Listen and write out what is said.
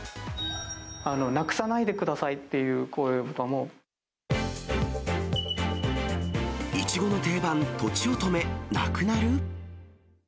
なくさないでくださいっていいちごの定番、とちおとめ、なくなる？